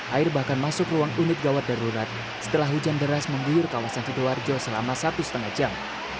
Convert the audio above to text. air bahkan masuk ruang unit gawat darurat setelah hujan deras mengguyur kawasan sidoarjo selama satu setengah jam